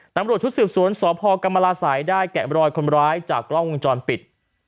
ตำรวจทุกศิษย์สวนสพกำลาสัยได้แกะรอยคนร้ายจากกล้องวงจรปิด